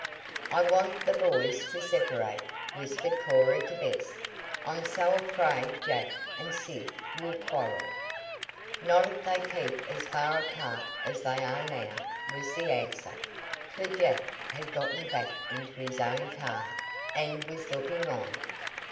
"I want the boys to separate," whispered Cora to Bess. "I'm so Afraid Jack and Sid will quarrel." "Not if they keep as far apart as they are now," was the answer, for Jack had gotten back into his own car, and was looking on.